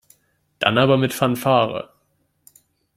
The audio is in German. Dann aber mit Fanfare.